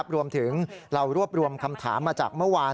รวมถึงเรารวบรวมคำถามมาจากเมื่อวาน